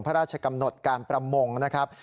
พระราชกำหนดการประมงนะครับ